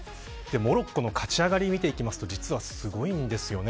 モロッコの勝ち上がりを見ていくと、実は、すごいです。